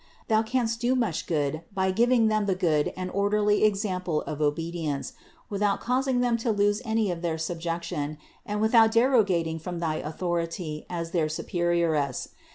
Thou canst do much good by giving them the good and orderly example of obedience, without caus ing them to lose any of their subjection and without derogating from thy authority as their superioress.